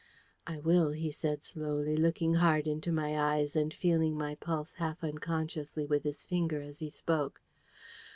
"I will," he said slowly, looking hard into my eyes, and feeling my pulse half unconsciously with his finger as he spoke.